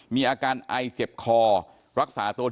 มีอาการไอเจ็บคอ